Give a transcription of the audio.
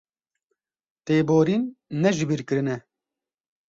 Têborîn, ne jibîrkirin e.